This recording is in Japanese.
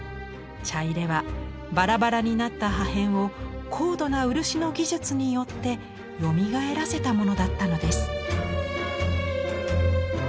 茶入はバラバラになった破片を高度な漆の技術によってよみがえらせたものだったのです。